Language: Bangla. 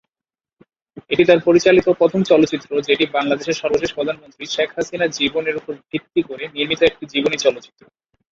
এটি তার পরিচালিত প্রথম চলচ্চিত্র যেটি বাংলাদেশের সর্বশেষ প্রধানমন্ত্রী শেখ হাসিনার জীবনের উপর ভিত্তি করে নির্মিত একটি জীবনী চলচ্চিত্র।